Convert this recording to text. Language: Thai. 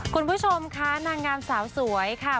คุณผู้ชมค่ะนางงามสาวสวยค่ะ